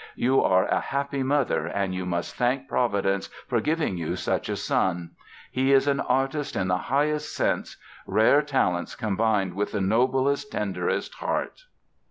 You are a happy mother and you must thank Providence for giving you such a son. He is an artist in the highest sense, rare talents combined with the noblest, tenderest heart...."